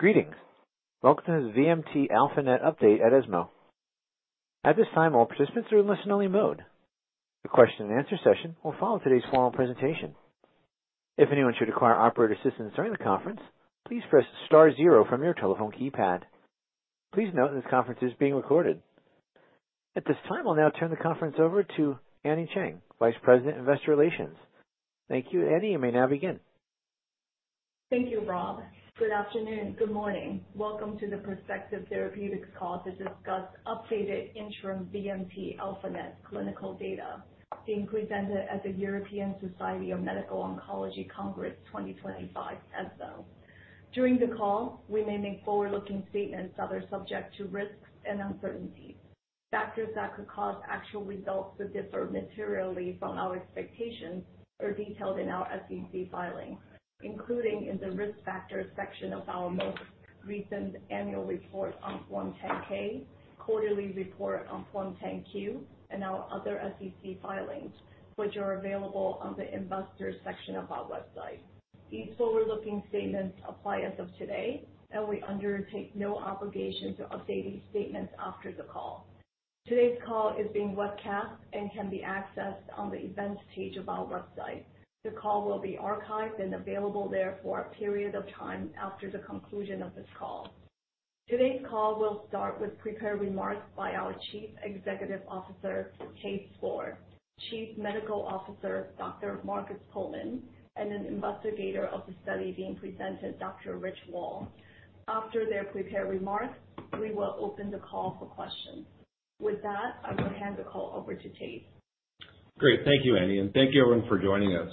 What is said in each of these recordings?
Greetings. Welcome to this VMT-α-NET update at ESMO. At this time, all participants are in listen-only mode. The question-and-answer session will follow today's formal presentation. If anyone should require operator assistance during the conference, please press star zero from your telephone keypad. Please note this conference is being recorded. At this time, I'll now turn the conference over to Annie Cheng, Vice President, Investor Relations. Thank you, Annie. You may now begin. Thank you, Rob. Good afternoon. Good morning. Welcome to the Perspective Therapeutics call to discuss updated interim VMT-α-NET clinical data being presented at the European Society for Medical Oncology Congress 2025, ESMO. During the call, we may make forward-looking statements that are subject to risks and uncertainties. Factors that could cause actual results to differ materially from our expectations are detailed in our SEC filing, including in the risk factors section of our most recent annual report on Form 10-K, quarterly report on Form 10-Q, and our other SEC filings, which are available on the investor section of our website. These forward-looking statements apply as of today, and we undertake no obligation to update these statements after the call. Today's call is being webcast and can be accessed on the events page of our website. The call will be archived and available there for a period of time after the conclusion of this call. Today's call will start with prepared remarks by our Chief Executive Officer, Thijs Spoor, Chief Medical Officer, Dr. Markus Puhlmann, and an investigator of the study being presented, Dr. Richard Wahl. After their prepared remarks, we will open the call for questions. With that, I will hand the call over to Thijs. Great. Thank you, Annie, and thank you, everyone, for joining us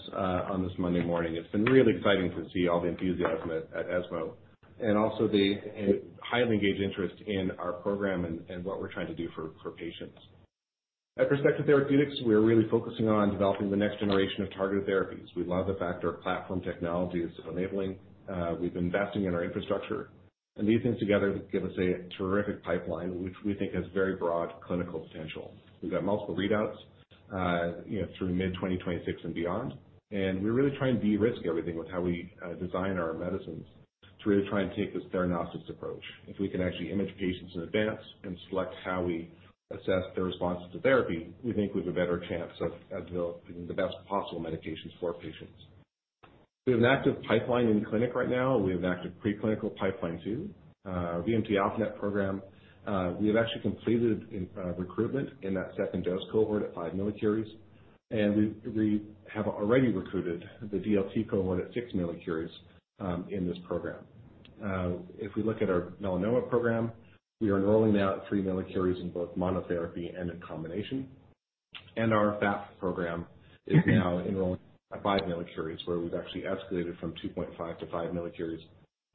on this Monday morning. It's been really exciting to see all the enthusiasm at ESMO and also the highly engaged interest in our program and what we're trying to do for patients. At Perspective Therapeutics, we're really focusing on developing the next generation of targeted therapies. We love the fact that our platform technology is enabling. We've been investing in our infrastructure, and these things together give us a terrific pipeline, which we think has very broad clinical potential. We've got multiple readouts through mid-2026 and beyond, and we really try and de-risk everything with how we design our medicines to really try and take this diagnostics approach. If we can actually image patients in advance and select how we assess their responses to therapy, we think we have a better chance of developing the best possible medications for patients. We have an active pipeline in clinic right now. We have an active preclinical pipeline too. Our VMT-α-NET program, we have actually completed recruitment in that second dose cohort at 5 millicuries, and we have already recruited the DLT cohort at 6 millicuries in this program. If we look at our melanoma program, we are enrolling now at 3 millicuries in both monotherapy and in combination, and our FAP program is now enrolling at 5 millicuries, where we've actually escalated from 2.5 to 5 millicuries.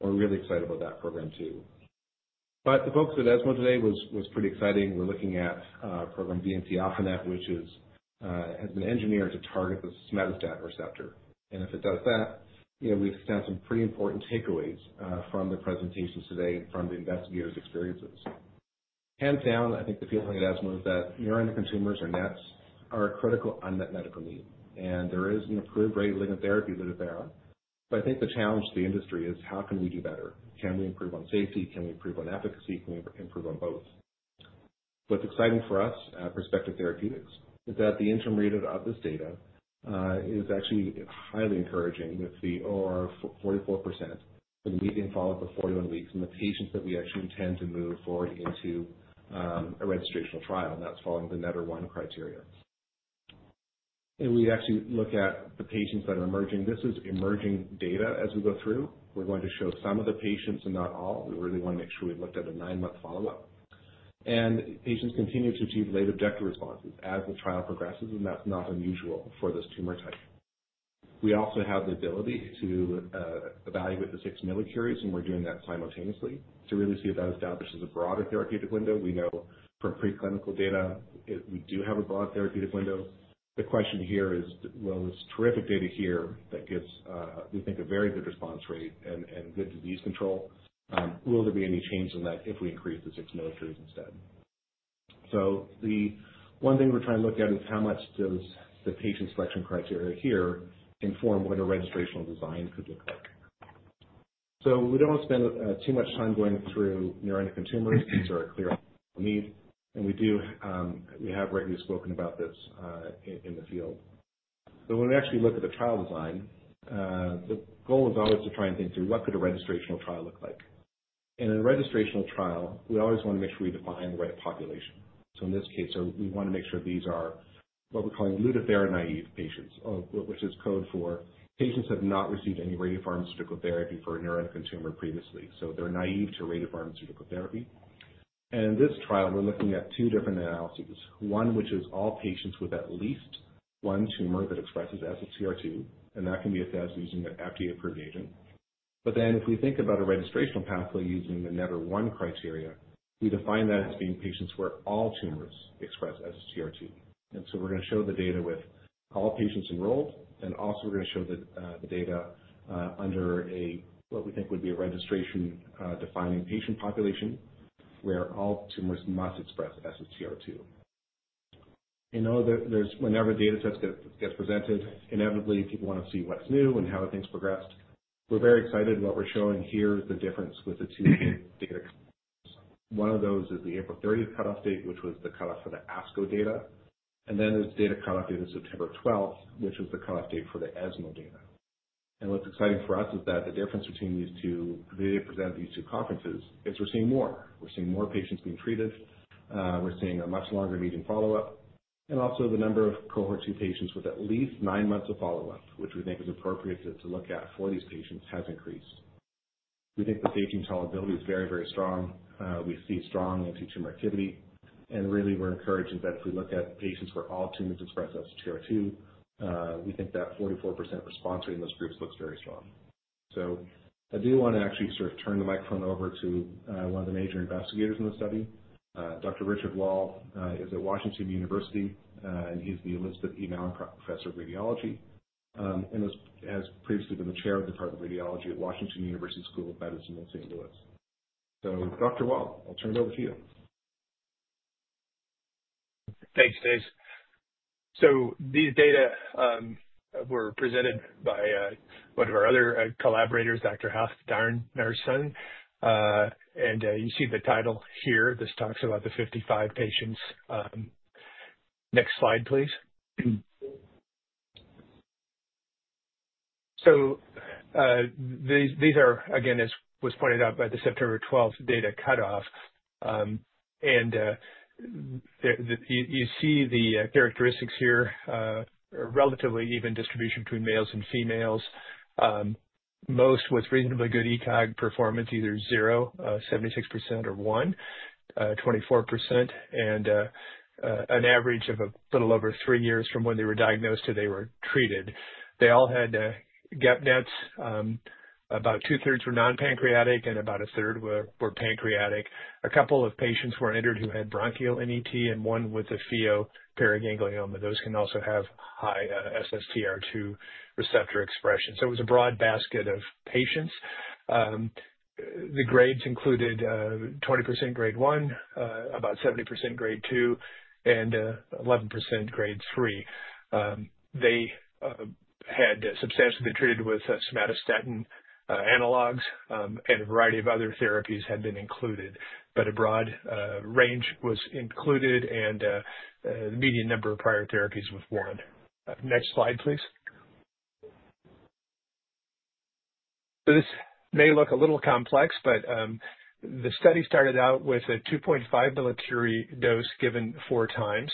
We're really excited about that program too, but the focus at ESMO today was pretty exciting. We're looking at program VMT-α-NET, which has been engineered to target the somatostatin receptor. And if it does that, we've found some pretty important takeaways from the presentations today and from the investigators' experiences. Hands down, I think the feeling at ESMO is that neuroendocrine tumors or NETs are a critical unmet medical need. And there is an approved radioligand therapy that is there. But I think the challenge to the industry is, how can we do better? Can we improve on safety? Can we improve on efficacy? Can we improve on both? What's exciting for us at Perspective Therapeutics is that the interim readout of this data is actually highly encouraging, with the ORR of 44% for the median follow-up of 41 weeks and the patients that we actually intend to move forward into a registrational trial. And that's following the NETTER-1 criteria. And we actually look at the patients that are emerging. This is emerging data as we go through. We're going to show some of the patients and not all. We really want to make sure we've looked at a nine-month follow-up. And patients continue to achieve late objective responses as the trial progresses. And that's not unusual for this tumor type. We also have the ability to evaluate the six millicuries. And we're doing that simultaneously to really see if that establishes a broader therapeutic window. We know from preclinical data that we do have a broad therapeutic window. The question here is, well, this terrific data here that gives, we think, a very good response rate and good disease control, will there be any change in that if we increase the six millicuries instead? So the one thing we're trying to look at is how much does the patient selection criteria here inform what a registrational design could look like. So we don't want to spend too much time going through neuroendocrine tumors since they're a clear need. And we have regularly spoken about this in the field. But when we actually look at the trial design, the goal is always to try and think through what could a registrational trial look like. And in a registrational trial, we always want to make sure we define the right population. So in this case, we want to make sure these are what we're calling Lutathera-naive patients, which is code for patients that have not received any radiopharmaceutical therapy for a neuroendocrine tumor previously. So they're naive to radiopharmaceutical therapy. And in this trial, we're looking at two different analyses, one which is all patients with at least one tumor that expresses SSTR2. And that can be assessed using an FDA-approved agent. But then if we think about a registrational pathway using the NETTER-1 criteria, we define that as being patients where all tumors express SSTR2. And so we're going to show the data with all patients enrolled. And also, we're going to show the data under what we think would be a registration-defining patient population where all tumors must express SSTR2. Whenever data sets get presented, inevitably, people want to see what's new and how things progressed. We're very excited. What we're showing here is the difference with the two data. One of those is the April 30th cutoff date, which was the cutoff for the ASCO data. And then there's the data cutoff date of September 12th, which was the cutoff date for the ESMO data. And what's exciting for us is that the difference between these two data presented at these two conferences is we're seeing more. We're seeing more patients being treated. We're seeing a much longer median follow-up. And also, the number of cohort 2 patients with at least nine months of follow-up, which we think is appropriate to look at for these patients, has increased. We think the staging tolerability is very, very strong. We see strong antitumor activity. And really, we're encouraging that if we look at patients where all tumors express SSTR2, we think that 44% response rate in those groups looks very strong. So I do want to actually sort of turn the microphone over to one of the major investigators in the study. Dr. Richard Wahl is at Washington University. And he's the Elizabeth E. Mallinckrodt Professor of Radiology and has previously been the Chair of the Department of Radiology at Washington University School of Medicine in St. Louis. So Dr. Wahl, I'll turn it over to you. Thanks, Thijs. So these data were presented by one of our other collaborators, Dr. Helge Dierckx. And you see the title here. This talks about the 55 patients. Next slide, please. So these are, again, as was pointed out by the September 12th data cutoff. And you see the characteristics here, a relatively even distribution between males and females, most with reasonably good ECOG performance, either 0, 76%, or 1, 24%, and an average of a little over three years from when they were diagnosed to they were treated. They all had GEP-NETs. About two-thirds were non-pancreatic, and about a third were pancreatic. A couple of patients were entered who had bronchial NET and one with a pheochromocytoma. Those can also have high SSTR2 receptor expression. So it was a broad basket of patients. The grades included 20% grade 1, about 70% grade 2, and 11% grade 3. They had substantially been treated with somatostatin analogs, and a variety of other therapies had been included. But a broad range was included, and the median number of prior therapies was one. Next slide, please. So this may look a little complex, but the study started out with a 2.5 millicurie dose given four times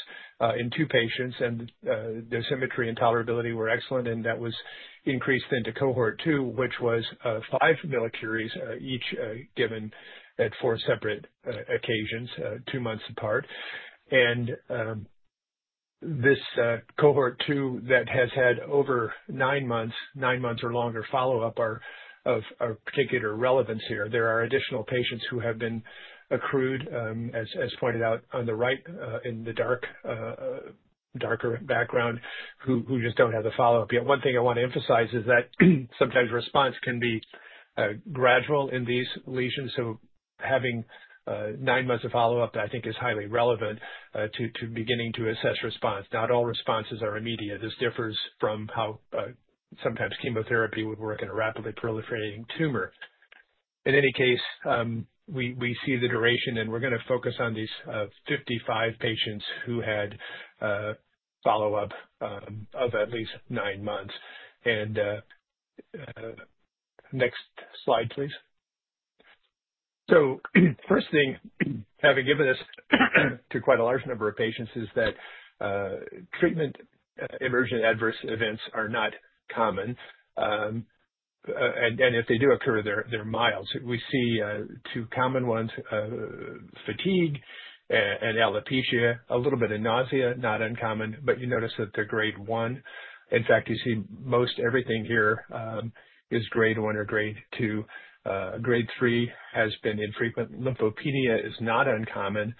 in two patients. And dosimetry and tolerability were excellent. And that was increased into cohort 2, which was 5 millicuries each given at four separate occasions, two months apart. And this cohort 2 that has had over nine months, nine months or longer follow-up, are of particular relevance here. There are additional patients who have been accrued, as pointed out on the right in the darker background, who just don't have the follow-up yet. One thing I want to emphasize is that sometimes response can be gradual in these lesions. So having nine months of follow-up, I think, is highly relevant to beginning to assess response. Not all responses are immediate. This differs from how sometimes chemotherapy would work in a rapidly proliferating tumor. In any case, we see the duration. And we're going to focus on these 55 patients who had follow-up of at least nine months. And next slide, please. So first thing, having given this to quite a large number of patients, is that treatment emergent adverse events are not common. And if they do occur, they're mild. We see two common ones: fatigue and alopecia, a little bit of nausea, not uncommon. But you notice that they're grade 1. In fact, you see most everything here is grade 1 or grade 2. Grade 3 has been infrequent. Lymphopenia is not uncommon.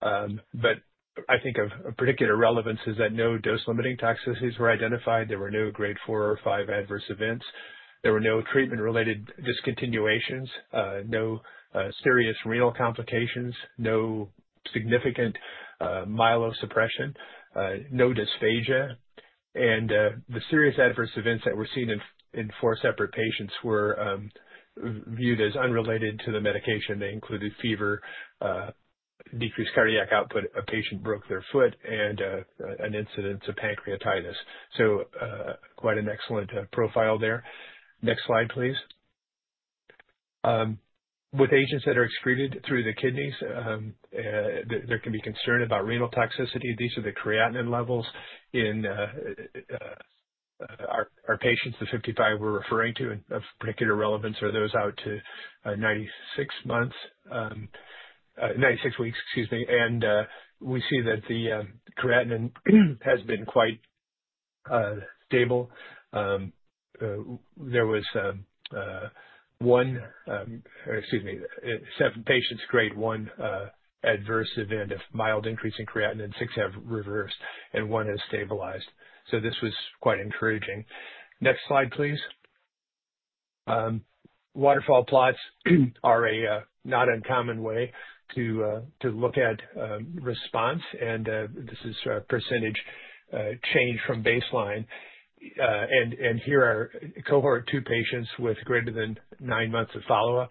But I think of particular relevance is that no dose-limiting toxicities were identified. There were no grade 4 or 5 adverse events. There were no treatment-related discontinuations, no serious renal complications, no significant myelosuppression, no dysphagia, and the serious adverse events that were seen in four separate patients were viewed as unrelated to the medication. They included fever, decreased cardiac output, a patient broke their foot, and an incidence of pancreatitis, so quite an excellent profile there. Next slide, please. With agents that are excreted through the kidneys, there can be concern about renal toxicity. These are the creatinine levels in our patients, the 55 we're referring to, and of particular relevance are those out to 96 weeks, excuse me, and we see that the creatinine has been quite stable. There was one, excuse me, seven patients, grade 1 adverse event of mild increase in creatinine, and six have reversed, and one has stabilized, so this was quite encouraging. Next slide, please. Waterfall plots are a not uncommon way to look at response, and this is a percentage change from baseline, and here are Cohort 2 patients with greater than nine months of follow-up.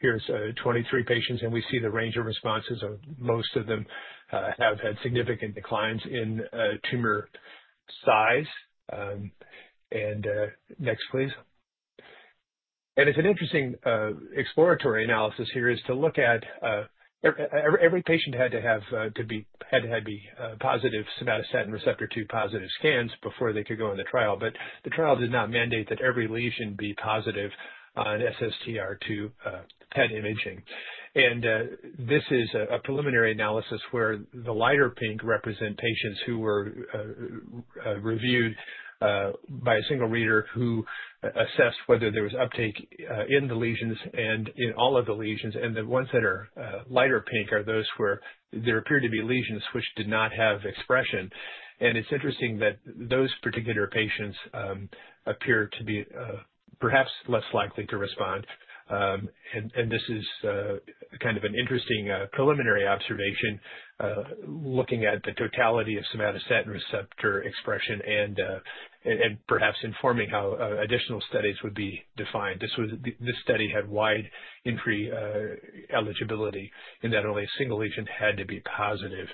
Here's 23 patients, and we see the range of responses. Most of them have had significant declines in tumor size, and next, please, and it's an interesting exploratory analysis here is to look at every patient had to have positive somatostatin receptor 2 positive scans before they could go in the trial, but the trial did not mandate that every lesion be positive on SSTR2 PET imaging, and this is a preliminary analysis where the lighter pink represent patients who were reviewed by a single reader who assessed whether there was uptake in the lesions and in all of the lesions. And the ones that are lighter pink are those where there appeared to be lesions which did not have expression. And it's interesting that those particular patients appear to be perhaps less likely to respond. And this is kind of an interesting preliminary observation looking at the totality of somatostatin receptor expression and perhaps informing how additional studies would be defined. This study had wide entry eligibility in that only a single lesion had to be positive.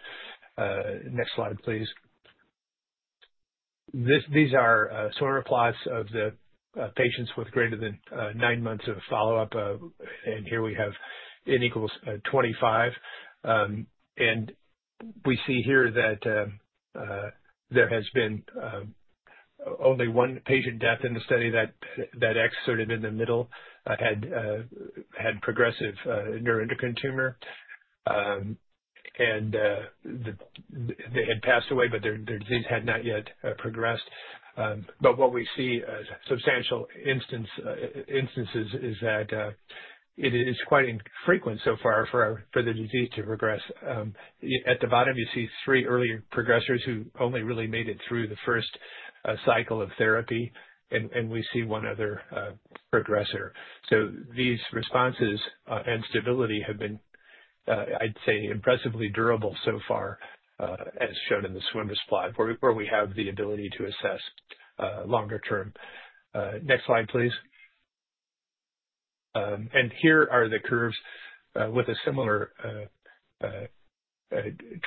Next slide, please. These are tumor plots of the patients with greater than nine months of follow-up. And here we have N equals 25. And we see here that there has been only one patient death in the study, that X sort of in the middle had progressive neuroendocrine tumor. And they had passed away, but their disease had not yet progressed. But what we see as substantial instances is that it is quite infrequent so far for the disease to progress. At the bottom, you see three earlier progressors who only really made it through the first cycle of therapy. And we see one other progressor. So these responses and stability have been, I'd say, impressively durable so far, as shown in this swimmers' plot where we have the ability to assess longer term. Next slide, please. And here are the curves with a similar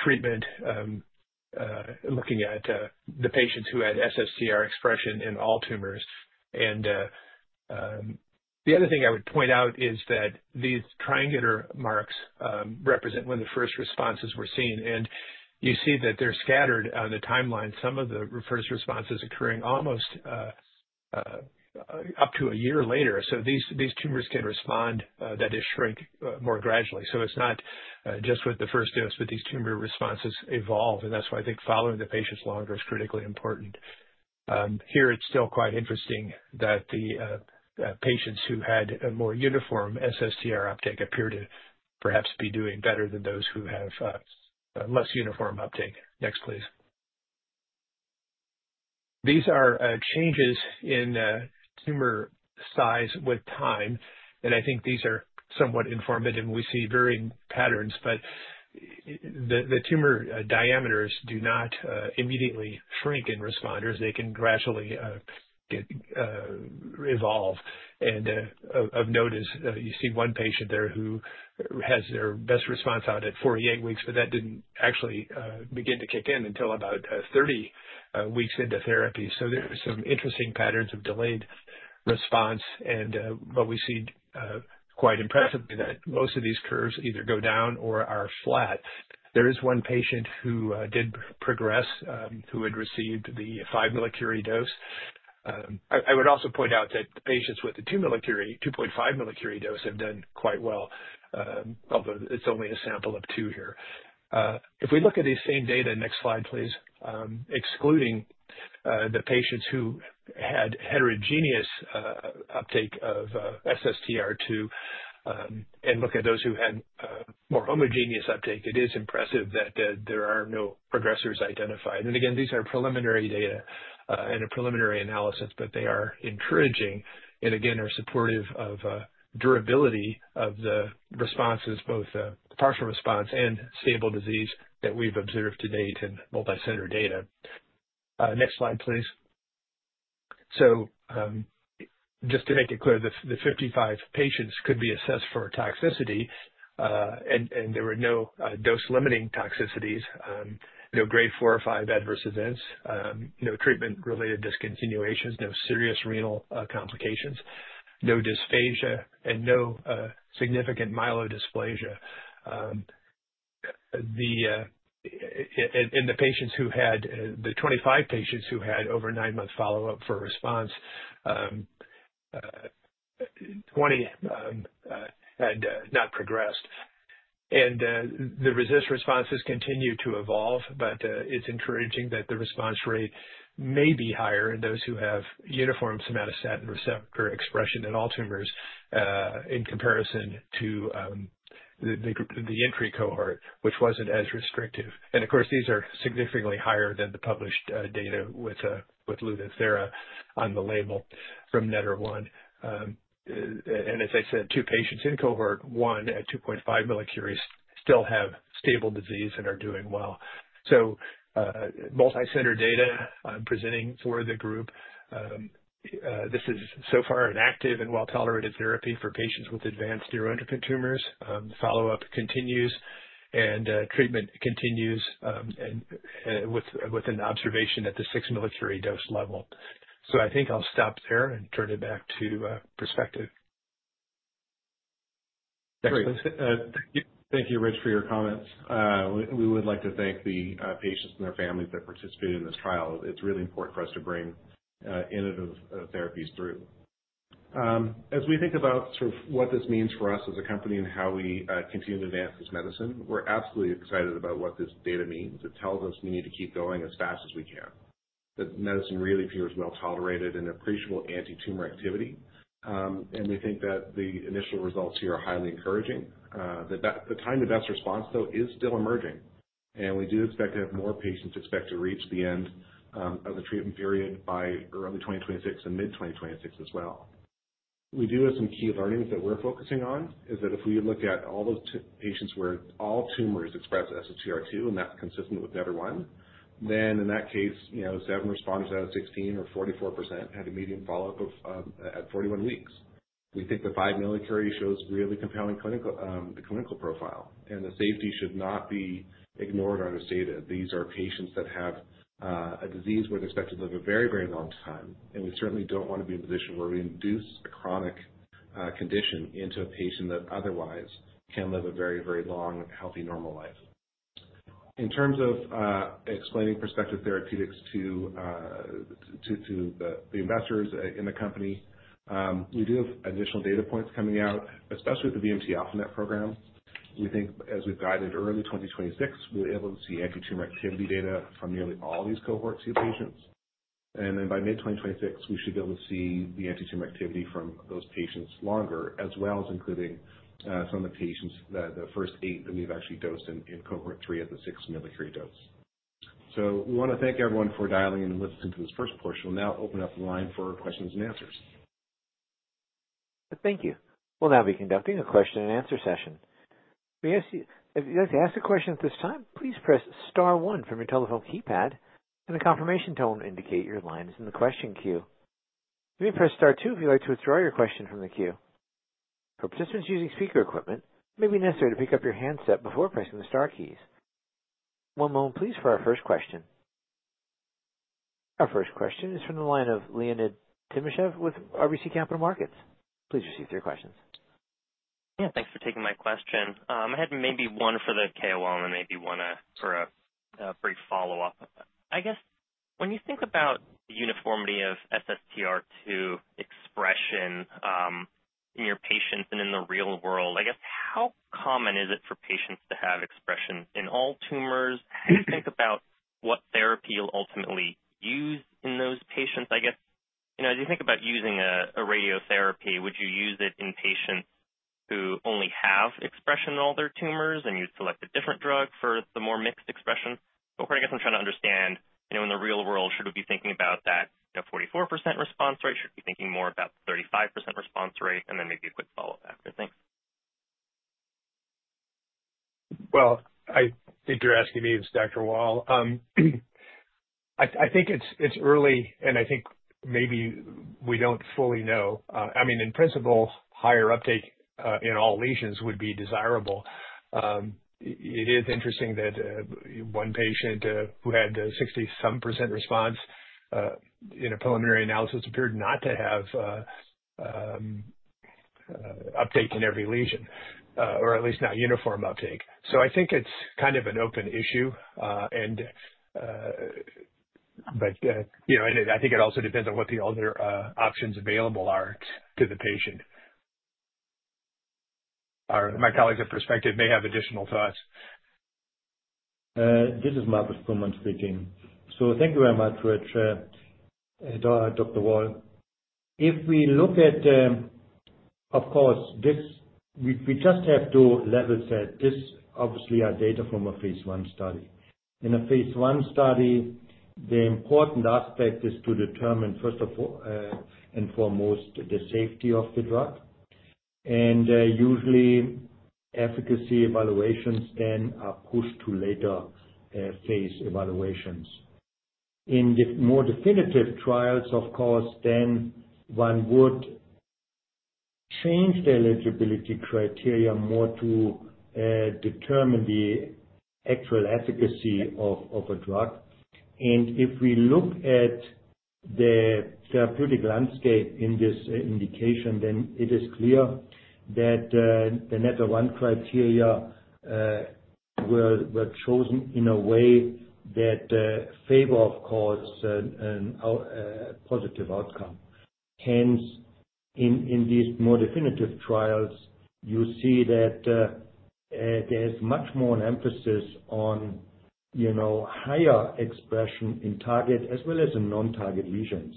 treatment looking at the patients who had SSTR2 expression in all tumors. And the other thing I would point out is that these triangular marks represent when the first responses were seen. And you see that they're scattered on the timeline. Some of the first responses occurring almost up to a year later. So these tumors can respond, that is, shrink more gradually. So it's not just with the first dose, but these tumor responses evolve. And that's why I think following the patients longer is critically important. Here, it's still quite interesting that the patients who had a more uniform SSTR2 uptake appear to perhaps be doing better than those who have less uniform uptake. Next, please. These are changes in tumor size with time. And I think these are somewhat informative. And we see varying patterns. But the tumor diameters do not immediately shrink in responders. They can gradually evolve. And of note is you see one patient there who has their best response out at 48 weeks. But that didn't actually begin to kick in until about 30 weeks into therapy. So there are some interesting patterns of delayed response. And what we see quite impressively is that most of these curves either go down or are flat. There is one patient who did progress who had received the 5 millicurie dose. I would also point out that the patients with the 2.5 millicurie dose have done quite well, although it's only a sample of two here. If we look at these same data next slide, please, excluding the patients who had heterogeneous uptake of SSTR2 and look at those who had more homogeneous uptake, it is impressive that there are no progressors identified. And again, these are preliminary data and a preliminary analysis. But they are encouraging and again are supportive of durability of the responses, both partial response and stable disease that we've observed to date in multi-center data. Next slide, please. So just to make it clear, the 55 patients could be assessed for toxicity. And there were no dose-limiting toxicities, no grade 4 or 5 adverse events, no treatment-related discontinuations, no serious renal complications, no dysphagia, and no significant myelodysplasia. In the 25 patients who had over nine-month follow-up for response, 20 had not progressed. And the RECIST responses continue to evolve. But it's encouraging that the response rate may be higher in those who have uniform somatostatin receptor expression in all tumors in comparison to the entry cohort, which wasn't as restrictive. And of course, these are significantly higher than the published data with Lutathera on the label from NETTER-1. And as I said, two patients in cohort 1 at 2.5 millicuries still have stable disease and are doing well. So multi-center data presenting for the group. This is so far an active and well-tolerated therapy for patients with advanced neuroendocrine tumors. Follow-up continues, and treatment continues with an observation at the 6 millicuries dose level. So I think I'll stop there and turn it back to Perspective. Thank you, Rich, for your comments. We would like to thank the patients and their families that participated in this trial. It's really important for us to bring innovative therapies through. As we think about sort of what this means for us as a company and how we continue to advance this medicine, we're absolutely excited about what this data means. It tells us we need to keep going as fast as we can. That medicine really appears well-tolerated and appreciable anti-tumor activity. And we think that the initial results here are highly encouraging. The time to best response, though, is still emerging. And we do expect to have more patients expect to reach the end of the treatment period by early 2026 and mid-2026 as well. We do have some key learnings that we're focusing on, is that if we look at all those patients where all tumors express SSTR2, and that's consistent with NETTER-1, then in that case, seven responders out of 16 or 44% had a median follow-up at 41 weeks. We think the five millicuries shows really compelling clinical profile. And the safety should not be ignored on this data. These are patients that have a disease where they're expected to live a very, very long time. And we certainly don't want to be in a position where we induce a chronic condition into a patient that otherwise can live a very, very long, healthy, normal life. In terms of explaining Perspective Therapeutics to the investors in the company, we do have additional data points coming out, especially with the VMT-α-NET program. We think as we've guided early 2026, we'll be able to see anti-tumor activity data from nearly all these cohorts of patients. And then by mid-2026, we should be able to see the anti-tumor activity from those patients longer, as well as including some of the patients, the first eight that we've actually dosed in cohort 3 at the six millicurie dose. So we want to thank everyone for dialing in and listening to this first portion. We'll now open up the line for questions and answers. Thank you. We'll now be conducting a question-and-answer session. If you'd like to ask a question at this time, please press star one from your telephone keypad. And a confirmation tone will indicate your line is in the question queue. You may press star two if you'd like to withdraw your question from the queue. For participants using speaker equipment, it may be necessary to pick up your handset before pressing the star keys. One moment, please, for our first question. Our first question is from the line of Leonid Timashev with RBC Capital Markets. Please receive your questions. Yeah. Thanks for taking my question. I had maybe one for the KOL and then maybe one for a brief follow-up. I guess when you think about the uniformity of SSTR2 expression in your patients and in the real world, I guess how common is it for patients to have expression in all tumors? How do you think about what therapy you'll ultimately use in those patients? I guess, as you think about using a radiotherapy, would you use it in patients who only have expression in all their tumors and you'd select a different drug for the more mixed expression? But I guess I'm trying to understand, in the real world, should we be thinking about that 44% response rate? Should we be thinking more about the 35% response rate? And then maybe a quick follow-up after. Thanks. Well, I think you're asking me is Dr. Wahl. I think it's early, and I think maybe we don't fully know. I mean, in principle, higher uptake in all lesions would be desirable. It is interesting that one patient who had 60-some% response in a preliminary analysis appeared not to have uptake in every lesion, or at least not uniform uptake, so I think it's kind of an open issue. And, you know, but I think it also depends on what the other options available are to the patient. My colleagues at Perspective may have additional thoughts. This is Markus Puhlmann speaking. So thank you very much, Rich, and Dr. Wahl. If we look at, of course, we just have two levels here. This obviously are data from a phase one study. In a phase one study, the important aspect is to determine, first and foremost, the safety of the drug. And usually, efficacy evaluations then are pushed to later phase evaluations. In more definitive trials, of course, then one would change the eligibility criteria more to determine the actual efficacy of a drug. And if we look at the therapeutic landscape in this indication, then it is clear that the NETTER-1 criteria were chosen in a way that favors, of course, a positive outcome. Hence, in these more definitive trials, you see that there is much more emphasis on higher expression in target as well as in non-target lesions.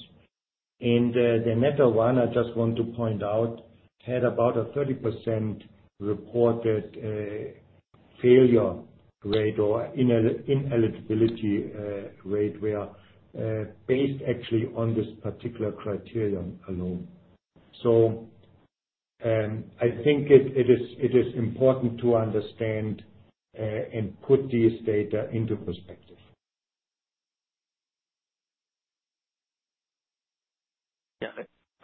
And the NETTER-1, I just want to point out, had about a 30% reported failure rate or ineligibility rate based actually on this particular criterion alone. So I think it is important to understand and put these data into perspective. Yeah.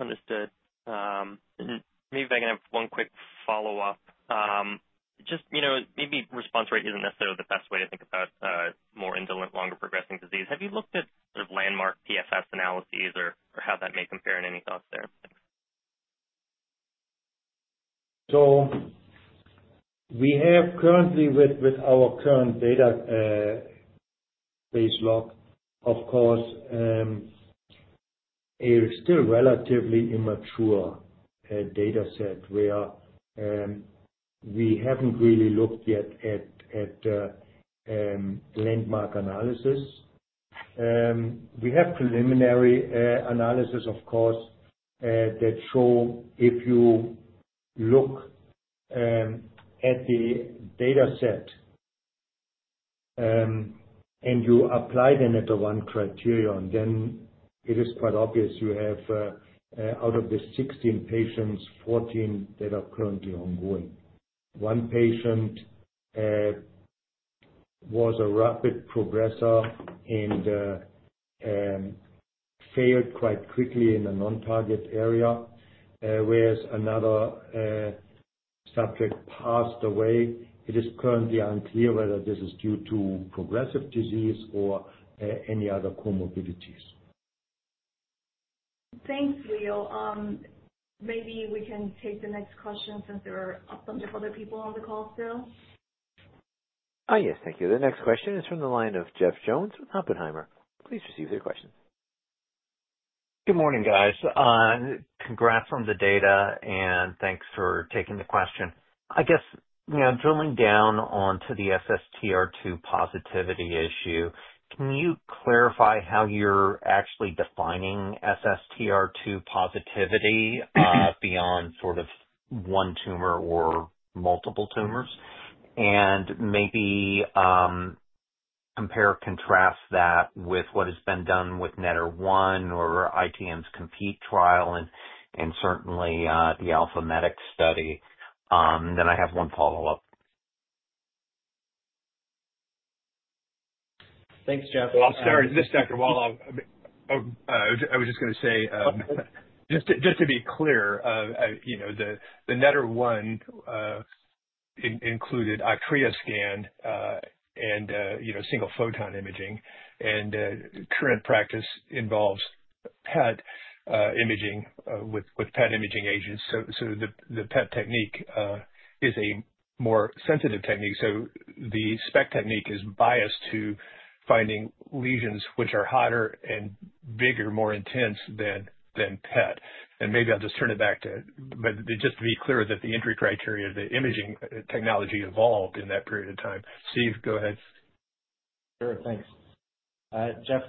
Understood. Maybe I can have one quick follow-up. Just maybe response rate isn't necessarily the best way to think about more indolent, longer-progressing disease. Have you looked at sort of landmark PFS analyses or how that may compare and any thoughts there? So we have currently, with our current database lock, of course, a still relatively immature data set where we haven't really looked yet at landmark analysis. We have preliminary analysis, of course, that show if you look at the data set and you apply the NETTER-1 criterion, then it is quite obvious you have, out of the 16 patients, 14 that are currently ongoing. One patient was a rapid progressor and failed quite quickly in a non-target area, whereas another subject passed away. It is currently unclear whether this is due to progressive disease or any other comorbidities. Thanks, Leo. Maybe we can take the next question since there are a bunch of other people on the call still. Oh, yes. Thank you. The next question is from the line of Jeff Jones with Oppenheimer. Please go ahead with your question. Good morning, guys. Congrats on the data. And thanks for taking the question. I guess drilling down onto the SSTR2 positivity issue, can you clarify how you're actually defining SSTR2 positivity beyond sort of one tumor or multiple tumors? And maybe compare or contrast that with what has been done with NETTER-1 or ITM's COMPETE trial and certainly the AlphaMedix study. Then I have one follow-up. Thanks, Jeff. Sorry, this is Dr. Wahl. I was just going to say, just to be clear, the NETTER-1 included Octreoscan and single photon imaging. And current practice involves PET imaging with PET imaging agents. So the PET technique is a more sensitive technique. So the SPECT technique is biased to finding lesions which are hotter and bigger, more intense than PET. And maybe I'll just turn it back to, but just to be clear that the entry criteria, the imaging technology evolved in that period of time. Steve, go ahead. Sure. Thanks. Jeff,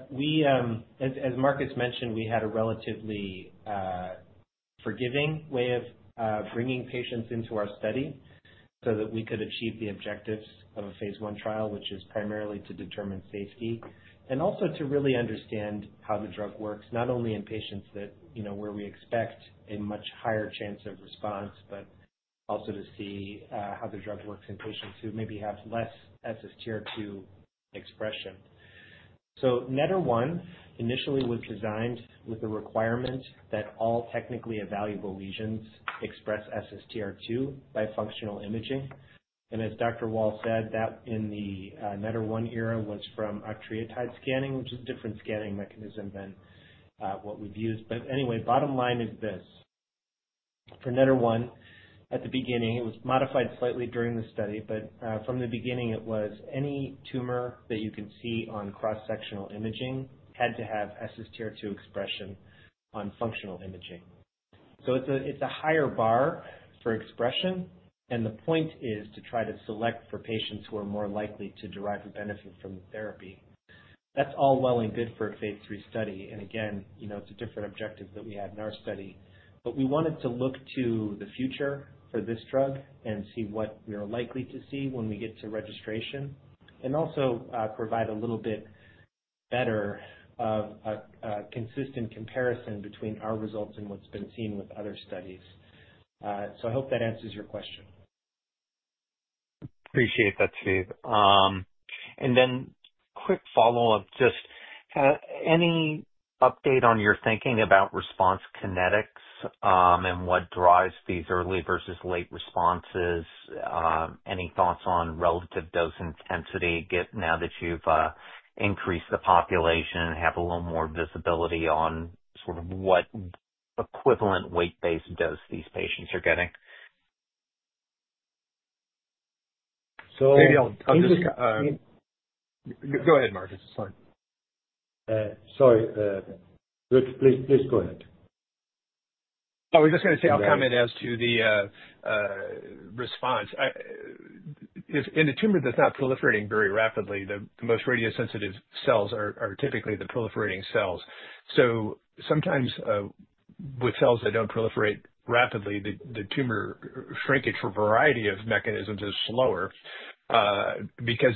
as Marcus mentioned, we had a relatively forgiving way of bringing patients into our study so that we could achieve the objectives of a phase one trial, which is primarily to determine safety and also to really understand how the drug works, not only in patients where we expect a much higher chance of response, but also to see how the drug works in patients who maybe have less SSTR2 expression. So NETTER-1 initially was designed with the requirement that all technically evaluable lesions express SSTR2 by functional imaging. And as Dr. Wahl said, that in the NETTER-1 era was from octreotide scanning, which is a different scanning mechanism than what we've used. But anyway, bottom line is this. For NETTER-1, at the beginning, it was modified slightly during the study. But from the beginning, it was any tumor that you can see on cross-sectional imaging had to have SSTR2 expression on functional imaging. So it's a higher bar for expression. And the point is to try to select for patients who are more likely to derive a benefit from the therapy. That's all well and good for a phase three study. And again, it's a different objective that we had in our study. But we wanted to look to the future for this drug and see what we are likely to see when we get to registration and also provide a little bit better consistent comparison between our results and what's been seen with other studies. So I hope that answers your question. Appreciate that, Steve. And then quick follow-up, just any update on your thinking about response kinetics and what drives these early versus late responses? Any thoughts on relative dose intensity now that you've increased the population and have a little more visibility on sort of what equivalent weight-based dose these patients are getting? So maybe I'll just go ahead, Marcus. It's fine. Sorry. Rich, please go ahead. Oh, I was just going to say I'll comment as to the response. In a tumor that's not proliferating very rapidly, the most radiosensitive cells are typically the proliferating cells. So sometimes with cells that don't proliferate rapidly, the tumor shrinkage for a variety of mechanisms is slower because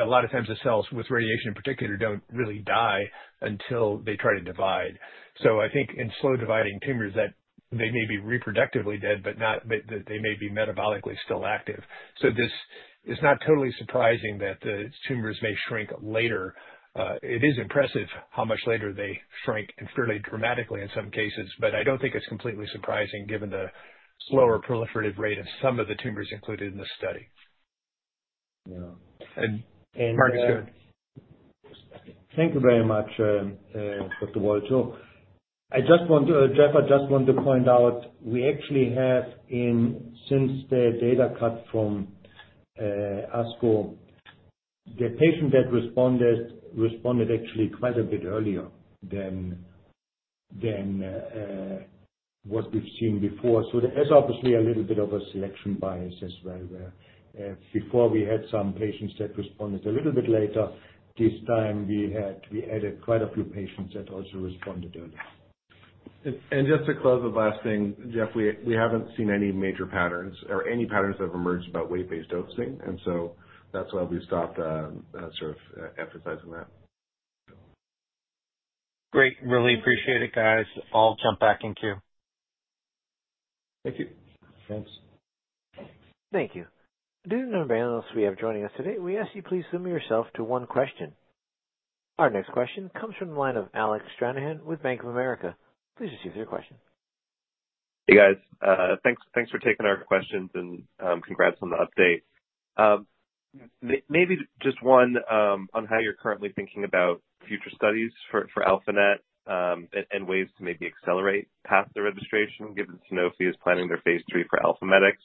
a lot of times the cells with radiation in particular don't really die until they try to divide. So I think in slow-dividing tumors, they may be reproductively dead, but they may be metabolically still active. So it's not totally surprising that the tumors may shrink later. It is impressive how much later they shrink and fairly dramatically in some cases. But I don't think it's completely surprising given the slower proliferative rate of some of the tumors included in this study. Yeah. And Marcus? Thank you very much, Dr. Wahl. I just want to, Jeff, I just want to point out we actually have, since the data cut from ASCO, the patient that responded actually quite a bit earlier than what we've seen before. So there's obviously a little bit of a selection bias as well where before we had some patients that responded a little bit later. This time, we added quite a few patients that also responded early. And just to close with the last thing, Jeff, we haven't seen any major patterns or any patterns that have emerged about weight-based dosing. And so that's why we stopped sort of emphasizing that. Great. Really appreciate it, guys. I'll jump back in queue. Thank you. Thanks. Thank you. Due to the availability of the panelists we have joining us today, we ask that you please limit yourself to one question. Our next question comes from the line of Alec Stranahan with Bank of America. Please proceed with your question. Hey, guys. Thanks for taking our questions and congrats on the update. Maybe just one on how you're currently thinking about future studies for VMT-α-NET and ways to maybe accelerate past the registration given Sanofi is planning their phase three for AlphaMedix.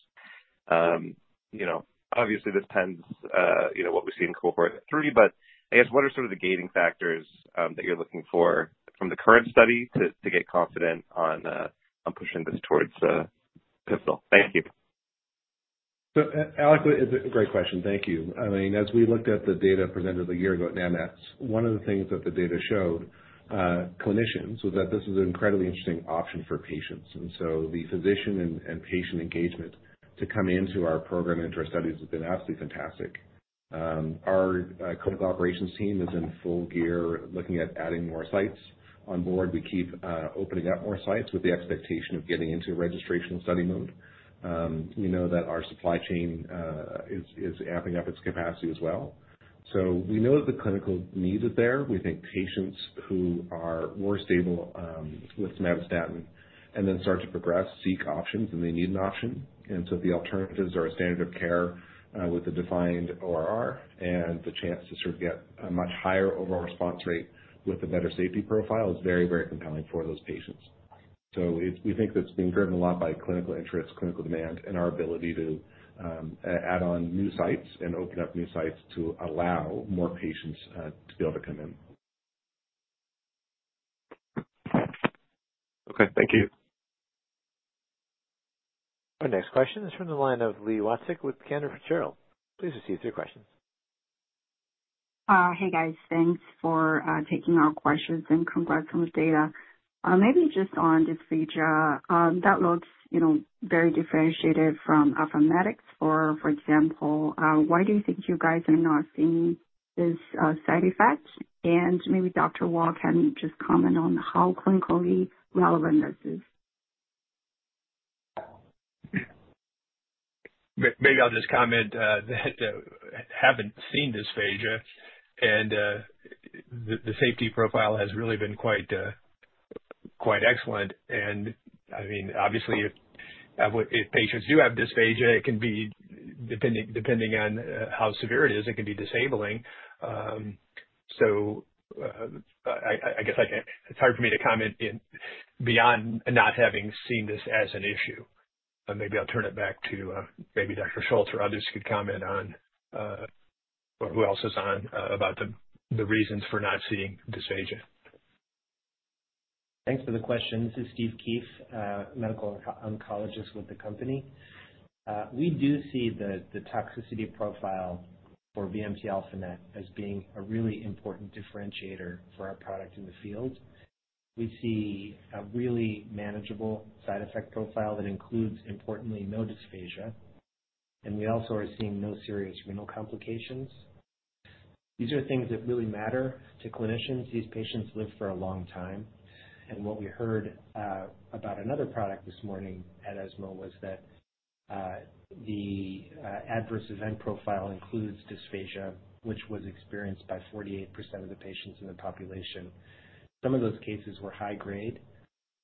Obviously, this depends on what we see in cohort three. But I guess what are sort of the gating factors that you're looking for from the current study to get confident on pushing this towards the pivotal? Thank you. So Alex, it's a great question. Thank you. I mean, as we looked at the data presented a year ago at NANETS, one of the things that the data showed, clinicians, was that this is an incredibly interesting option for patients, and so the physician and patient engagement to come into our program and into our studies has been absolutely fantastic. Our clinical operations team is in full gear looking at adding more sites on board. We keep opening up more sites with the expectation of getting into registration study mode. We know that our supply chain is amping up its capacity as well, so we know that the clinical need is there. We think patients who are more stable with somatostatin and then start to progress seek options when they need an option. And so the alternatives are a standard of care with a defined ORR and the chance to sort of get a much higher overall response rate with a better safety profile is very, very compelling for those patients. So we think that's being driven a lot by clinical interest, clinical demand, and our ability to add on new sites and open up new sites to allow more patients to be able to come in. Okay. Thank you. Our next question is from the line of Li Watsek with Cantor Fitzgerald. Please receive your questions. Hey, guys. Thanks for taking our questions and congrats on the data. Maybe just on dysphagia, that looks very differentiated from AlphaMedix. For example, why do you think you guys are not seeing this side effect? And maybe Dr. Wahl can just comment on how clinically relevant this is. Maybe I'll just comment that having seen dysphagia and the safety profile has really been quite excellent. I mean, obviously, if patients do have dysphagia, it can be, depending on how severe it is, it can be disabling. So I guess it's hard for me to comment beyond not having seen this as an issue. Maybe I'll turn it back to maybe Dr. Schultz or others who could comment on or who else is on about the reasons for not seeing dysphagia. Thanks for the question. This is Steve Keith, medical oncologist with the company. We do see the toxicity profile for VMT-α-NET as being a really important differentiator for our product in the field. We see a really manageable side effect profile that includes, importantly, no dysphagia. We also are seeing no serious renal complications. These are things that really matter to clinicians. These patients live for a long time, and what we heard about another product this morning at ESMO was that the adverse event profile includes dysphagia, which was experienced by 48% of the patients in the population. Some of those cases were high-grade,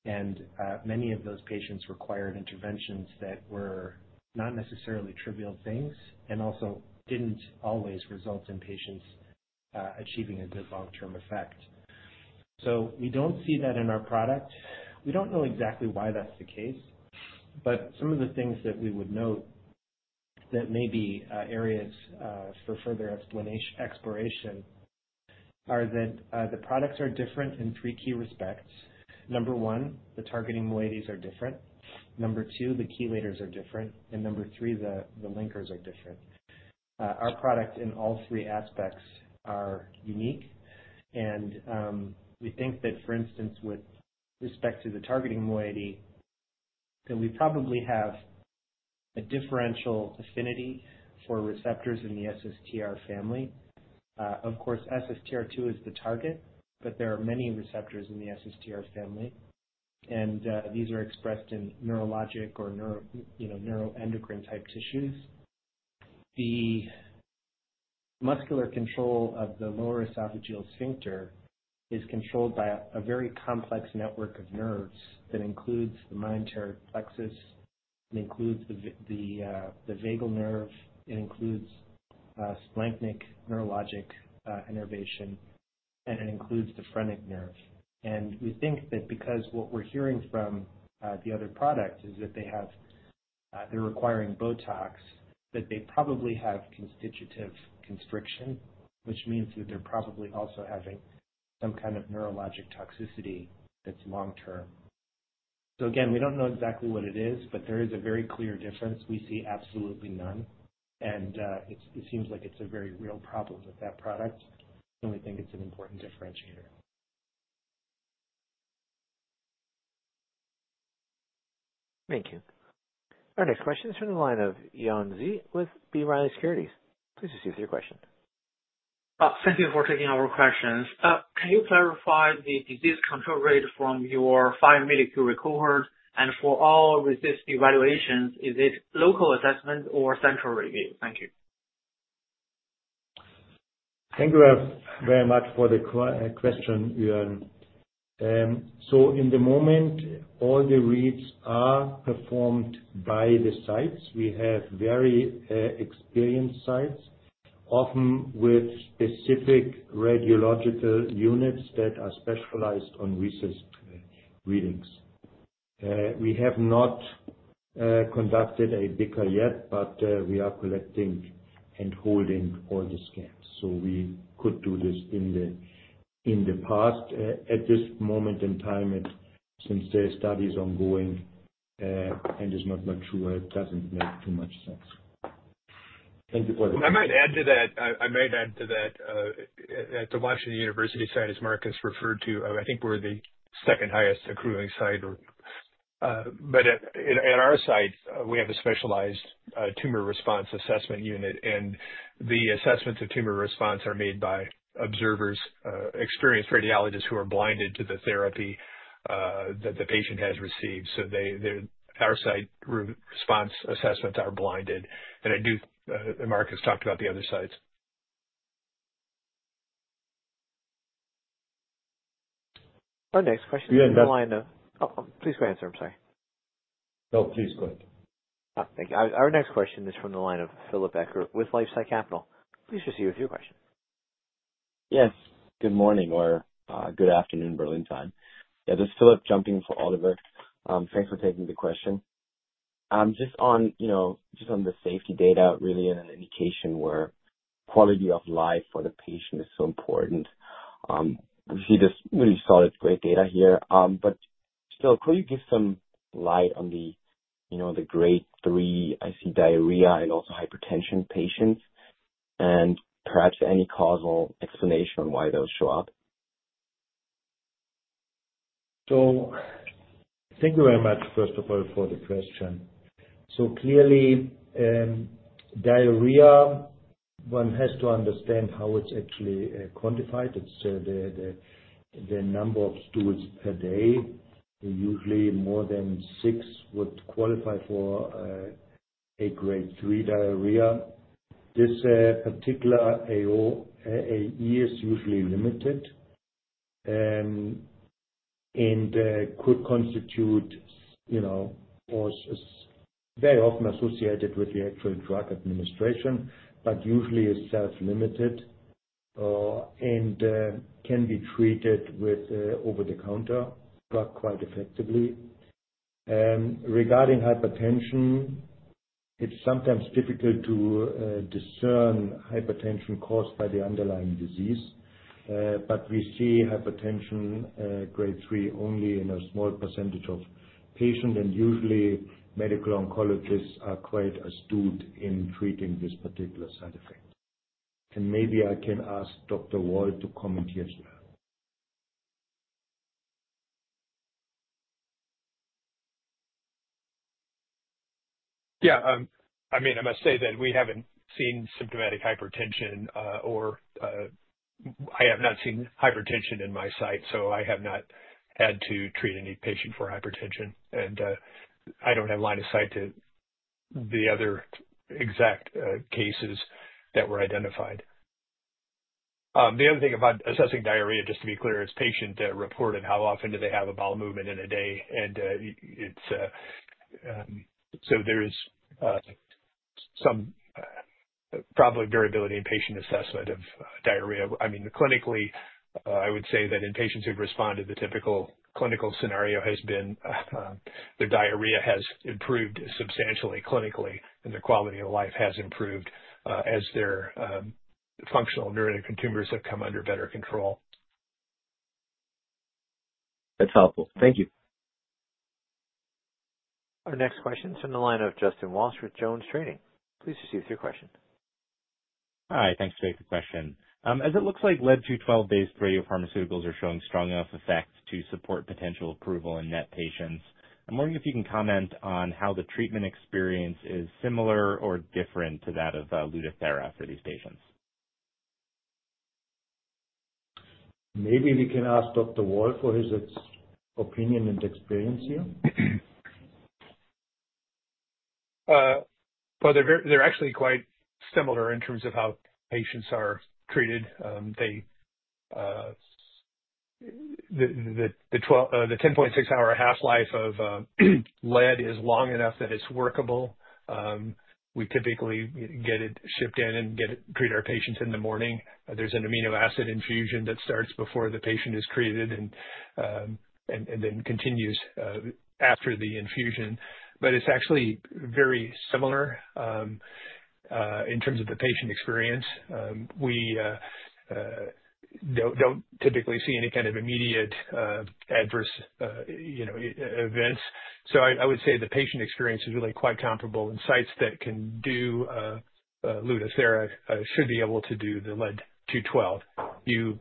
and many of those patients required interventions that were not necessarily trivial things and also didn't always result in patients achieving a good long-term effect, so we don't see that in our product. We don't know exactly why that's the case, but some of the things that we would note that may be areas for further exploration are that the products are different in three key respects. Number one, the targeting moieties are different. Number two, the chelators are different, and number three, the linkers are different. Our product in all three aspects are unique. And we think that, for instance, with respect to the targeting moiety, that we probably have a differential affinity for receptors in the SSTR family. Of course, SSTR2 is the target, but there are many receptors in the SSTR family. And these are expressed in neurologic or neuroendocrine-type tissues. The muscular control of the lower esophageal sphincter is controlled by a very complex network of nerves that includes the myenteric plexus. It includes the vagal nerve. It includes splenic neurologic innervation. It includes the phrenic nerve. And we think that because what we're hearing from the other product is that they're requiring Botox, that they probably have constitutive constriction, which means that they're probably also having some kind of neurologic toxicity that's long-term. So again, we don't know exactly what it is, but there is a very clear difference. We see absolutely none. It seems like it's a very real problem with that product. We think it's an important differentiator. Thank you. Our next question is from the line of Yuan Zhi with B. Riley Securities. Please go ahead with your question. Thank you for taking our questions. Can you clarify the disease control rate from your five-patient cohort? And for all RECIST evaluations, is it local assessment or central review? Thank you. Thank you very much for the question, Yuan Zhi. So at the moment, all the reads are performed by the sites. We have very experienced sites, often with specific radiological units that are specialized on RECIST readings. We have not conducted a BICR yet, but we are collecting and holding all the scans. So we could do this in the past. At this moment in time, since the study is ongoing and is not mature, it doesn't make too much sense. Thank you for the question. I might add to that. At the Washington University site, as Marcus referred to, I think we're the second-highest accruing site. But at our site, we have a specialized tumor response assessment unit. And the assessments of tumor response are made by observers, experienced radiologists who are blinded to the therapy that the patient has received. So our site response assessments are blinded. And I do, and Marcus talked about the other sites. Our next question is from the line of Philip Ecker with LifeSci Capital. Please proceed with your question. Yes. Good morning or good afternoon, Berlin time. Yeah, this is Philip jumping for Oliver. Thanks for taking the question. Just on the safety data, really, and an indication where quality of life for the patient is so important. We just really saw this great data here. But still, could you give some light on the grade three, I see diarrhea and also hypertension patients and perhaps any causal explanation on why those show up? So thank you very much, first of all, for the question. So clearly, diarrhea, one has to understand how it's actually quantified. It's the number of stools per day. Usually, more than six would qualify for a grade three diarrhea. This particular AE is usually limited and could constitute or is very often associated with the actual drug administration, but usually is self-limited and can be treated with over-the-counter drug quite effectively. Regarding hypertension, it's sometimes difficult to discern hypertension caused by the underlying disease. But we see hypertension grade three only in a small percentage of patients. And usually, medical oncologists are quite astute in treating this particular side effect. And maybe I can ask Dr. Wahl to comment here as well. Yeah. I mean, I must say that we haven't seen symptomatic hypertension or I have not seen hypertension in my site. So I have not had to treat any patient for hypertension. And I don't have line of sight to the other exact cases that were identified. The other thing about assessing diarrhea, just to be clear, is patient reported how often do they have a bowel movement in a day. And so there is some, probably, variability in patient assessment of diarrhea. I mean, clinically, I would say that in patients who've responded, the typical clinical scenario has been their diarrhea has improved substantially clinically, and their quality of life has improved as their functional neuroendocrine tumors have come under better control. That's helpful. Thank you. Our next question is from the line of Justin Walsh with JonesTrading. Please receive your question. Hi. Thanks for taking the question. As it looks like, Pb-212-based radiopharmaceuticals are showing strong enough effects to support potential approval in NET patients. I'm wondering if you can comment on how the treatment experience is similar or different to that of Lutathera for these patients. Maybe we can ask Dr. Wahl for his opinion and experience here. Well, they're actually quite similar in terms of how patients are treated. The 10.6-hour half-life of Pb-212 is long enough that it's workable. We typically get it shipped in and treat our patients in the morning. There's an amino acid infusion that starts before the patient is treated and then continues after the infusion, but it's actually very similar in terms of the patient experience. We don't typically see any kind of immediate adverse events, so I would say the patient experience is really quite comparable, and sites that can do Lutathera should be able to do the Pb-212. You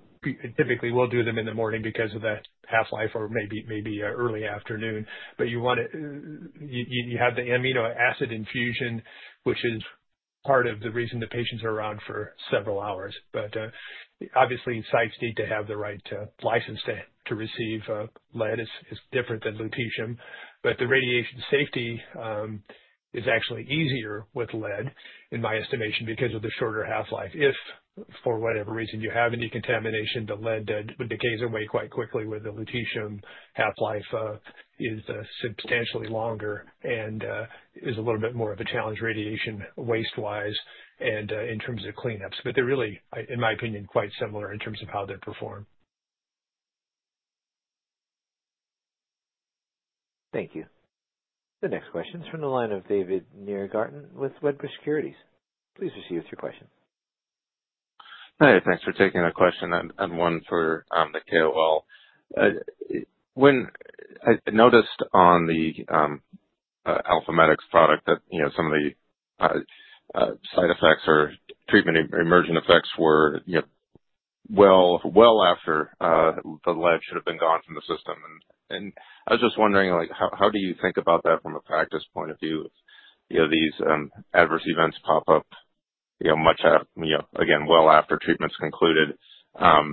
typically will do them in the morning because of the half-life or maybe early afternoon, but you have the amino acid infusion, which is part of the reason the patients are around for several hours, but obviously, sites need to have the right license to receive Pb-212. It's different than lutetium, but the radiation safety is actually easier with Pb-212, in my estimation, because of the shorter half-life. If for whatever reason you have any contamination, the Pb-212 decays away quite quickly with the lutetium. Half-life is substantially longer and is a little bit more of a challenge radiation waste-wise and in terms of cleanups. But they're really, in my opinion, quite similar in terms of how they're performed. Thank you. The next question is from the line of David Nierengarten with Wedbush Securities. Please proceed with your question. Hi. Thanks for taking the question and one for the KOL. I noticed on the AlphaMedix product that some of the side effects or treatment emergent effects were well after the Pb-212 should have been gone from the system. And I was just wondering, how do you think about that from a practice point of view? These adverse events pop up much, again, well after treatment's concluded. How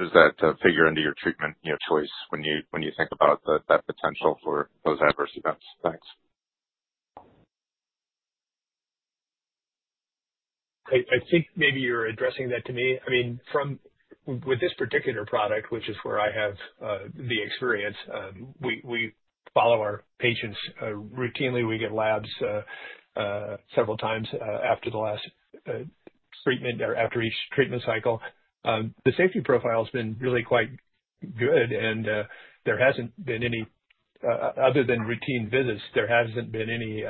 does that figure into your treatment choice when you think about that potential for those adverse events? Thanks. I think maybe you're addressing that to me. I mean, with this particular product, which is where I have the experience, we follow our patients routinely. We get labs several times after the last treatment or after each treatment cycle. The safety profile has been really quite good, and there hasn't been any, other than routine visits, there hasn't been any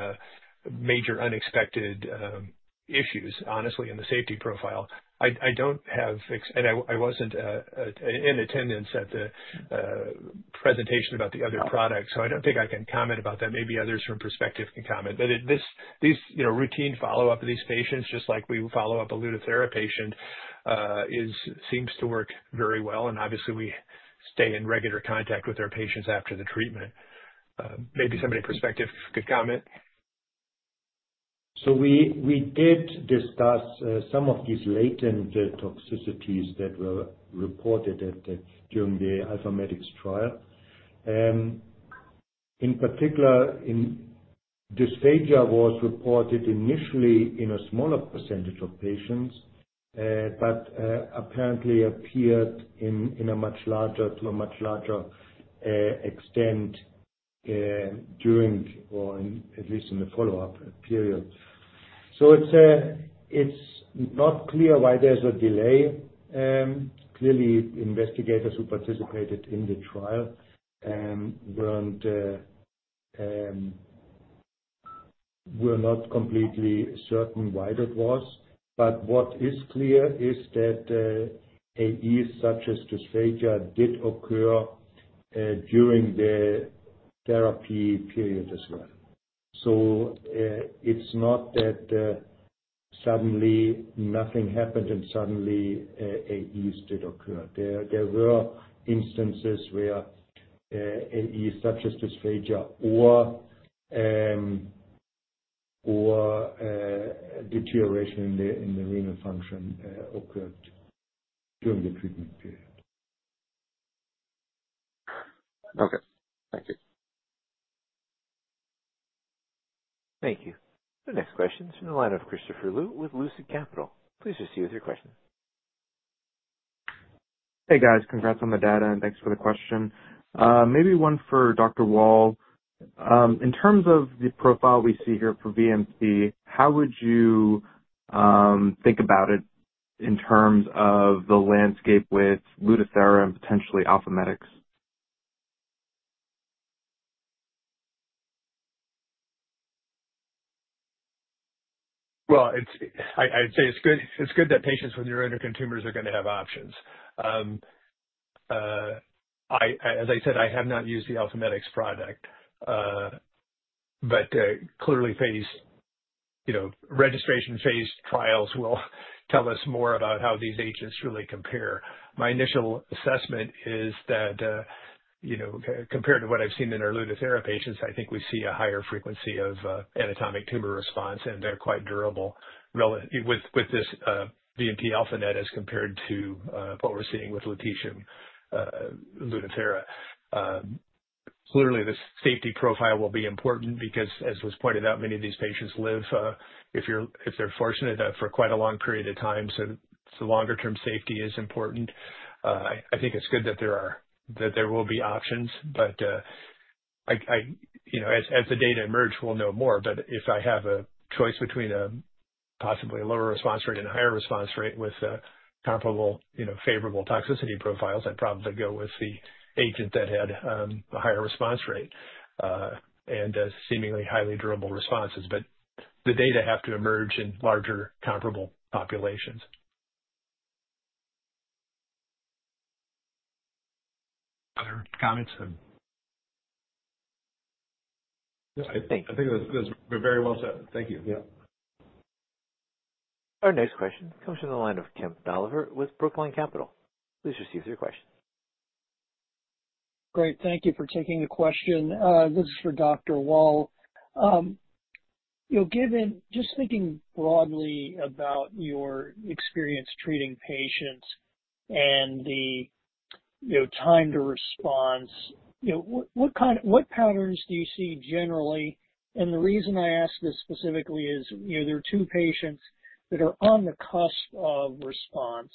major unexpected issues, honestly, in the safety profile. I don't have, and I wasn't in attendance at the presentation about the other product. So I don't think I can comment about that. Maybe others from Perspective can comment, but this routine follow-up of these patients, just like we follow up a Lutathera patient, seems to work very well. And obviously, we stay in regular contact with our patients after the treatment. Maybe somebody from Perspective could comment. We did discuss some of these latent toxicities that were reported during the AlphaMedix trial. In particular, dysphagia was reported initially in a smaller percentage of patients, but apparently appeared in a much larger extent during or at least in the follow-up period. It's not clear why there's a delay. Clearly, investigators who participated in the trial weren't completely certain why that was. But what is clear is that AEs such as dysphagia did occur during the therapy period as well. It's not that suddenly nothing happened and suddenly AEs did occur. There were instances where AEs such as dysphagia or deterioration in the renal function occurred during the treatment period. Okay. Thank you. Thank you. The next question is from the line of Christopher Lui with Lucid Capital Markets. Please proceed with your question. Hey, guys. Congrats on the data. And thanks for the question. Maybe one for Dr. Wahl. In terms of the profile we see here for VMT-α-NET, how would you think about it in terms of the landscape with Lutathera and potentially AlphaMedix? Well, I'd say it's good that patients with neuroendocrine tumors are going to have options. As I said, I have not used the AlphaMedix product. But clearly, registration-phased trials will tell us more about how these agents really compare. My initial assessment is that compared to what I've seen in our Lutathera patients, I think we see a higher frequency of anatomic tumor response. And they're quite durable with this VMT-α-NET as compared to what we're seeing with lutetium Lutathera. Clearly, the safety profile will be important because, as was pointed out, many of these patients live, if they're fortunate, for quite a long period of time. So the longer-term safety is important. I think it's good that there will be options. But as the data emerge, we'll know more. But if I have a choice between a possibly lower response rate and a higher response rate with comparable favorable toxicity profiles, I'd probably go with the agent that had a higher response rate and seemingly highly durable responses. But the data have to emerge in larger comparable populations. Other comments? I think it was very well said. Thank you. Yeah. Our next question comes from the line of Kemp Dolliver with Brookline Capital Markets. Please proceed with your question. Great. Thank you for taking the question. This is for Dr. Wahl. Just thinking broadly about your experience treating patients and the time to response, what patterns do you see generally? And the reason I ask this specifically is there are two patients that are on the cusp of response.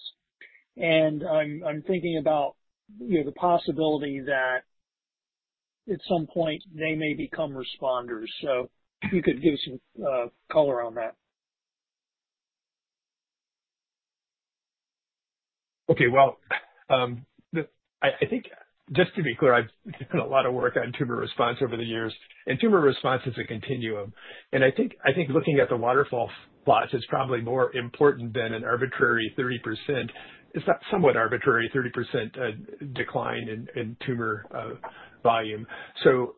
And I'm thinking about the possibility that at some point, they may become responders. So if you could give some color on that. Okay. Well, I think just to be clear, I've done a lot of work on tumor response over the years. And tumor response is a continuum. And I think looking at the waterfall plots, it's probably more important than an arbitrary 30%. It's not somewhat arbitrary 30% decline in tumor volume. So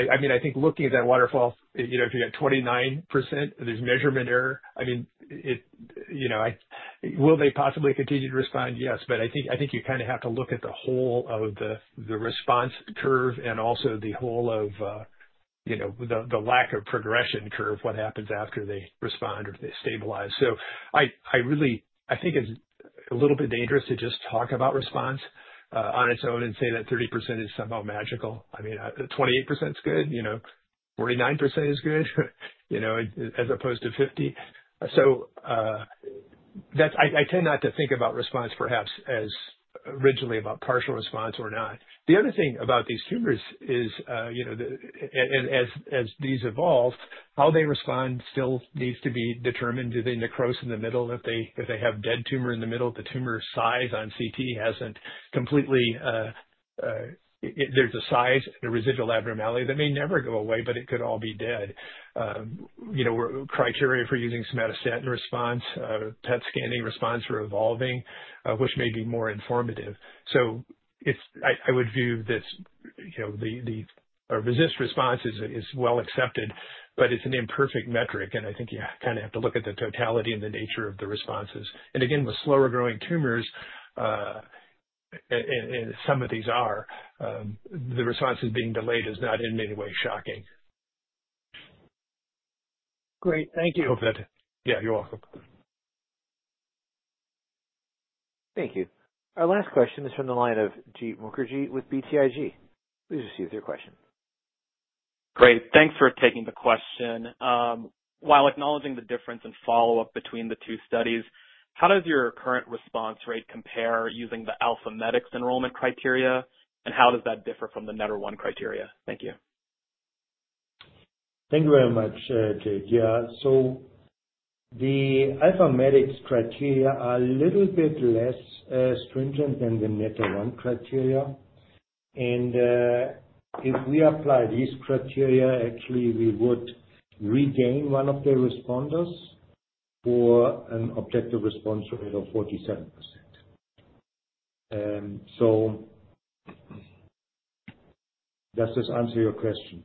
I mean, I think looking at that waterfall, if you got 29%, there's measurement error. I mean, will they possibly continue to respond? Yes. But I think you kind of have to look at the whole of the response curve and also the whole of the lack of progression curve, what happens after they respond or they stabilize. So I think it's a little bit dangerous to just talk about response on its own and say that 30% is somehow magical. I mean, 28% is good. 49% is good as opposed to 50. So I tend not to think about response perhaps as originally about partial response or not. The other thing about these tumors is, as these evolve, how they respond still needs to be determined. Do they necrose in the middle? If they have dead tumor in the middle, the tumor size on CT hasn't completely. There's a size and a residual abnormality that may never go away, but it could all be dead. Criteria for using somatostatin response, PET scanning response for evolving, which may be more informative. So I would view this, the RECIST response is well accepted, but it's an imperfect metric. And I think you kind of have to look at the totality and the nature of the responses. And again, with slower-growing tumors, and some of these are, the responses being delayed is not in any way shocking. Great. Thank you. Yeah. You're welcome. Thank you. Our last question is from the line of Jeet Mukherjee with BTIG. Please proceed with your question. Great. Thanks for taking the question. While acknowledging the difference in follow-up between the two studies, how does your current response rate compare using the AlphaMedix enrollment criteria? And how does that differ from the NETTER-1 criteria? Thank you. Thank you very much, Jeet. Yeah.So the AlphaMedix criteria are a little bit less stringent than the NETTER-1 criteria. And if we apply these criteria, actually, we would regain one of the responders for an objective response rate of 47%. So does this answer your question?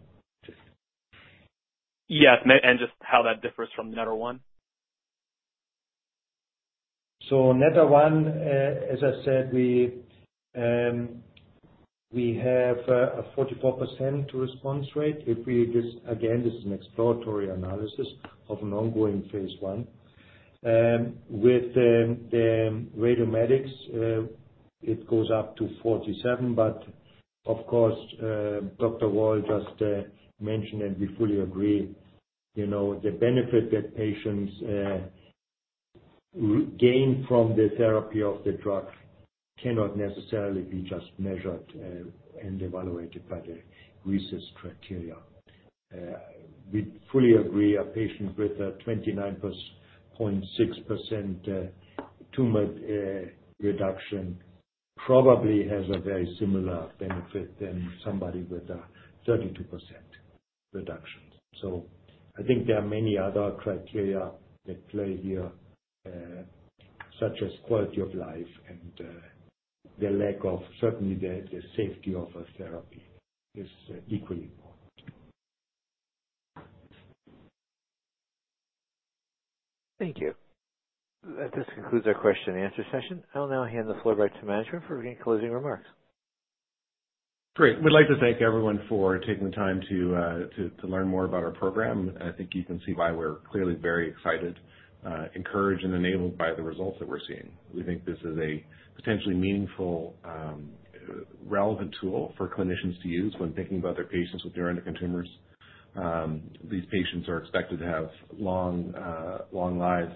Yeah. And just how that differs from NETTER-1? So NETTER-1, as I said, we have a 44% response rate. Again, this is an exploratory analysis of an ongoing phase one. With the Radiometics, it goes up to 47%. But of course, Dr. Wahl just mentioned that we fully agree. The benefit that patients gain from the therapy of the drug cannot necessarily be just measured and evaluated by the RECIST criteria. We fully agree, a patient with a 29.6% tumor reduction probably has a very similar benefit than somebody with a 32% reduction. So I think there are many other criteria that play here, such as quality of life and the lack of, certainly, the safety of a therapy is equally important. Thank you. This concludes our question-and-answer session. I'll now hand the floor back to management for any closing remarks. Great. We'd like to thank everyone for taking the time to learn more about our program. I think you can see why we're clearly very excited, encouraged, and enabled by the results that we're seeing. We think this is a potentially meaningful, relevant tool for clinicians to use when thinking about their patients with neuroendocrine tumors. These patients are expected to have long lives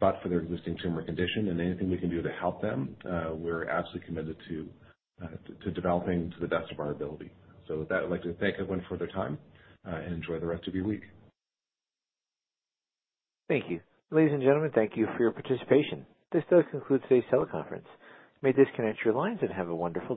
but for their existing tumor condition. And anything we can do to help them, we're absolutely committed to developing to the best of our ability. So with that, I'd like to thank everyone for their time and enjoy the rest of your week. Thank you. Ladies and gentlemen, thank you for your participation. This does conclude today's teleconference. You may disconnect your lines and have a wonderful day.